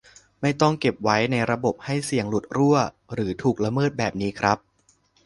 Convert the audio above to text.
ไม่ต้องเก็บไว้ในระบบให้เสี่ยงหลุดรั่วหรือถูกละเมิดแบบนี้ครับ